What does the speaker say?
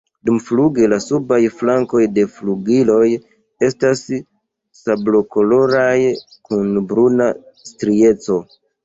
Dumfluge la subaj flankoj de flugiloj estas sablokoloraj kun bruna strieco.